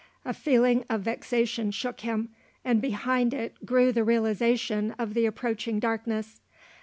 A feeling of vexation shook him, and behind it grew the realisation of the approaching darkness.